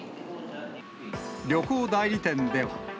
旅行代理店では。